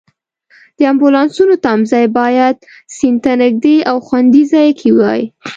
د امبولانسونو تمځای باید سیند ته نږدې او خوندي ځای کې وای.